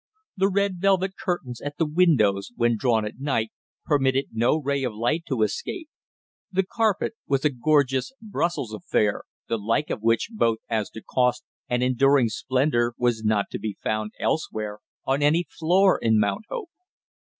The red velvet curtains at the windows, when drawn at night, permitted no ray of light to escape; the carpet was a gorgeous Brussels affair, the like of which both as to cost and enduring splendor was not to be found elsewhere on any floor in Mount Hope.